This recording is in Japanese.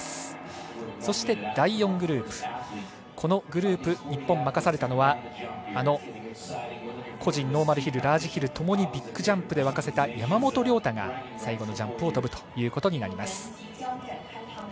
そして、第４グループこのグループ、日本任されたのはあの個人ノーマルヒルラージヒルともにビッグジャンプで沸かせた山本涼太が最後のジャンプを飛ぶということになります。